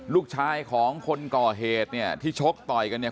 ลูกชายของคนก่อเหตุเนี่ยที่ชกต่อยกันเนี่ย